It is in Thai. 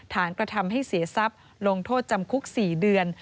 ฐานกระทำให้เสียทรัพย์ลงโทษจำคุก๔เดือน